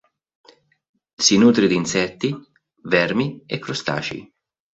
Si nutre di insetti, vermi e crostacei.